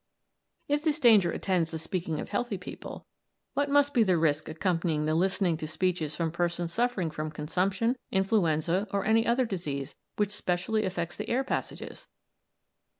If this danger attends the speaking of healthy people, what must be the risk accompanying the listening to speeches from persons suffering from consumption, influenza, or any other disease which specially affects the air passages!